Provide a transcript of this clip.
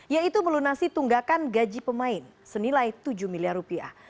yaitu melunasi tunggakan gaji pemain senilai tujuh miliar rupiah